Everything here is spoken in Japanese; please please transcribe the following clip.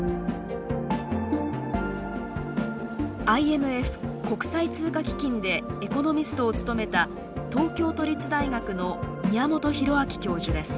ＩＭＦ国際通貨基金でエコノミストを務めた東京都立大学の宮本弘曉教授です。